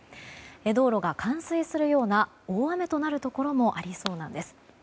道路が冠水するような大雨となるところもありそうなんです。